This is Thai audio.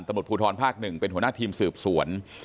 ตำลดภูทรภาคหนึ่งเป็นหัวหน้าทีมสืบสวน